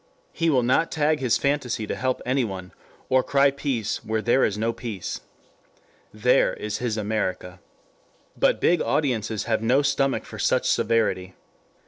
He will not tag his fantasy to help anyone, or cry peace where there is no peace. There is his America. But big audiences have no stomach for such severity.